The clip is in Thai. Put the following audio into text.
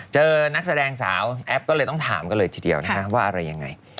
นักแสดงสาวแอปก็เลยต้องถามกันเลยทีเดียวนะคะว่าอะไรยังไง